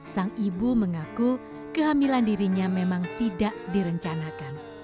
sang ibu mengaku kehamilan dirinya memang tidak direncanakan